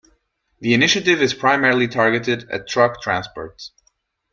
The initiative is primarily targeted at truck transport.